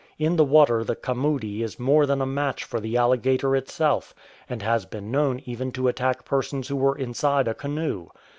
In the water the camudi is more than a match for the alligator itself, and has been known even to attack persons who were inside a canoe.